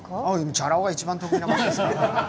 チャラ男は一番得意な街です。